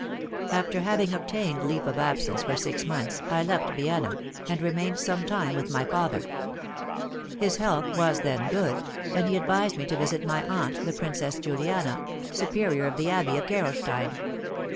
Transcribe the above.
After having obtained leave of absence for six months, I left Vienna, and remained some time with my father. His health was then good, and he advised me to visit my aunt, the Princess Juliana, superior of the abbey of Gerolstein.